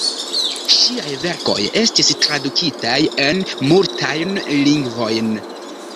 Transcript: Ŝiaj verkoj estis tradukitaj en multajn lingvojn.